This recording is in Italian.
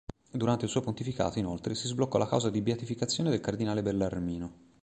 Durante il suo pontificato, inoltre, si sbloccò la causa di beatificazione del cardinale Bellarmino.